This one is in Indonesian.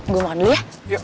gue makan dulu ya